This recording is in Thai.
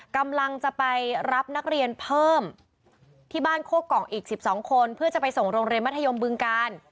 กำลังจะไปรับนักเรียนเพิ่มที่บ้านโคกล่องอีก๑๒คนเพื่อจะไปส่งโรงเรียนมัธยมบึงกาล